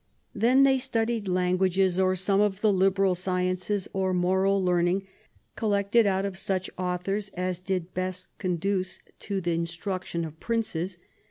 Then they studied lan guages, or some of the liberal sciences, or moral learning collected out of such authors as did best conduce to the instruction of Princes